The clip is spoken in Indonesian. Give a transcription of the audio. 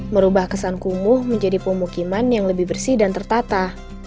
merubah kesan kumuh menjadi pemukiman yang lebih bersih dan tertata